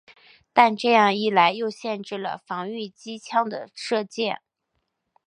但这样一来又限制了防御机枪的射界。